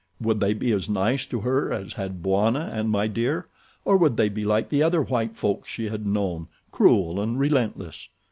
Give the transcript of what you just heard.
Would they be as nice to her as had Bwana and My Dear, or would they be like the other white folk she had known—cruel and relentless.